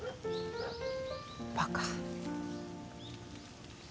バカ。